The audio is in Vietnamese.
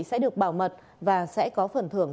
sẽ được bảo mật và sẽ có phần thưởng